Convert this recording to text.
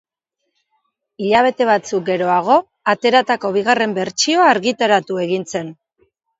Hilabete batzuk geroago ateratako bigarren bertsioa argitaratu egin zen.